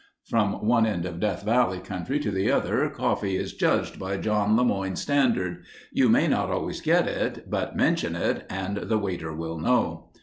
From one end of Death Valley country to the other, coffee is judged by John LeMoyne's standard. You may not always get it, but mention it and the waiter will know.